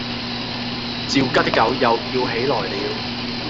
趙家的狗又叫起來了。